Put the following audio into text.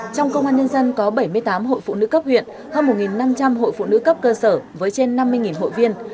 trong công an nhân dân có bảy mươi tám hội phụ nữ cấp huyện hơn một năm trăm linh hội phụ nữ cấp cơ sở với trên năm mươi hội viên